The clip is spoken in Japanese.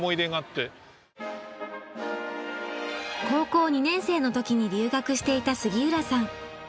高校２年生の時に留学していた杉浦さん。